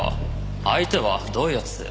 相手はどういう奴？